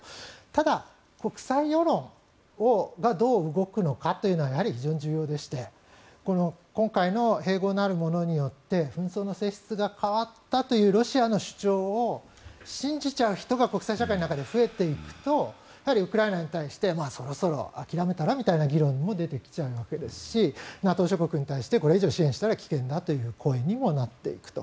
ただ、国際世論がどう動くのかというのはやはり非常に重要でして今回の併合なるものによって紛争の性質が変わったというロシアの主張を信じちゃう人が国際社会の中で増えていくとウクライナに対してそろそろ諦めたらみたいな議論も出てきちゃうわけですしＮＡＴＯ諸国に対してこれ以上支援したら危険だという行為にもなっていくと。